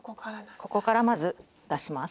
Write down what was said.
ここからまず出します。